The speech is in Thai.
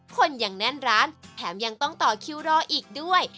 คนยังแน่นร้านแถมยังต้องต่อคิวรออีกด้วย